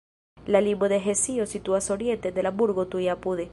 La limo al Hesio situas oriente de la burgo tuj apude.